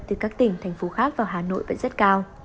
từ các tỉnh thành phố khác vào hà nội vẫn rất cao